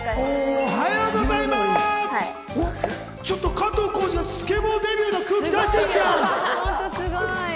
加藤浩次のスケボーデビューの空気を出してるじゃん。